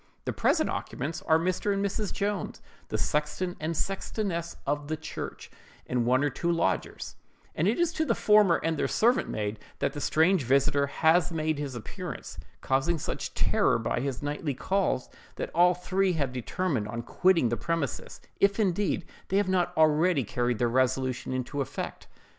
The present occupants are Mr. and Mrs. Jones, the sexton and sextoness of the church, and one or two lodgers; and it is to the former and their servant maid that the strange visiter has made his appearance, causing such terror by his nightly calls, that all three have determined on quitting the premises, if indeed they have not already carried their resolution into effect.